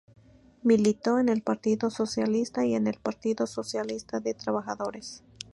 Militó en el Partido Socialista y en el Partido Socialista de Trabajadores.